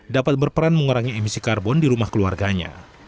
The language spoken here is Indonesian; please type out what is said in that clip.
dapat berperan mengurangi emisi karbon di rumah keluarganya